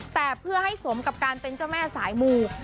แต่เพื่อให้สมกับการเป็นเจ้าแม่สายมู